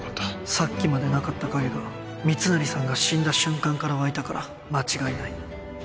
さっきまでなかった影が密成さんが死んだ瞬間から湧いたから間違いない